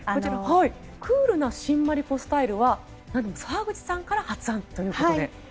クールな新マリコスタイルはなんでも沢口さんから発案ということで。